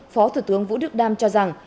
phó thủ tướng vũ đức đam cho rằng